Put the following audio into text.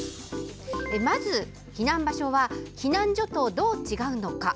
まず避難場所は避難所と、どう違うのか。